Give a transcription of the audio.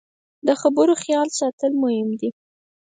د خبرو خیال ساتل مهم دي